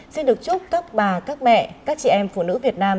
xin được chúc các bà các mẹ các chị em phụ nữ việt nam